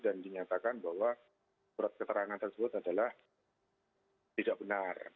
dan dinyatakan bahwa surat keterangan tersebut adalah tidak benar